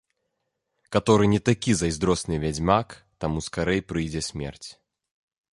Каторы не такі зайздросны вядзьмак, таму скарэй прыйдзе смерць.